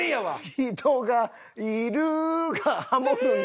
「人がいる」がハモるんだ。